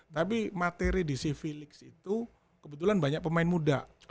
tapi materi di sea v ligs itu kebetulan banyak pemain muda